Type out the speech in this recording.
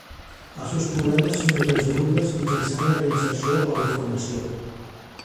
Els seus problemes són irresolubles mitjançant la reinserció o la formació.